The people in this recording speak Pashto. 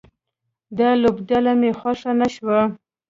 دا لوبډله مې خوښه نه شوه